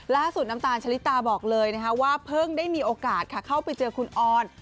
น้ำตาลชะลิตาบอกเลยว่าเพิ่งได้มีโอกาสค่ะเข้าไปเจอคุณออน